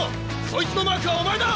そいつのマークはお前だ！